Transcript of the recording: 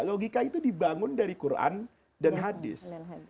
logika itu dibangun dari quran dan hadis